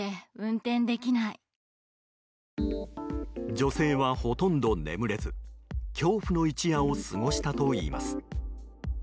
女性は、ほとんど眠れず恐怖の一夜を過ごしたといいます。